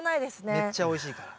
めっちゃおいしいから。